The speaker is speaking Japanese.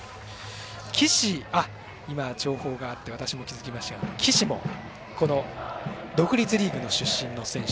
今、情報があって私も気付きましたけれども岸もこの独立リーグ出身の選手。